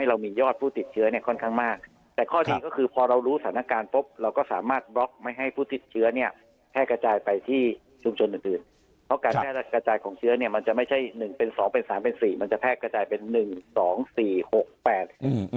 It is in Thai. เหลยเนื่องจากการเต็ดเชื้อสูงมันก็ทำให้เรามียอดผู้